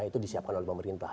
itu disiapkan oleh pemerintah